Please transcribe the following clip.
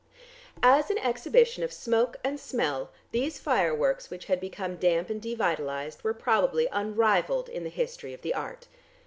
As an exhibition of smoke and smell these fireworks which had become damp and devitalised were probably unrivalled in the history of the art.